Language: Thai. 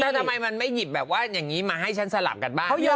แล้วทำไมมันไม่หยิบแบบว่าอย่างนี้มาให้ฉันสลับกันบ้าง